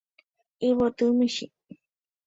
Yvoty michĩ.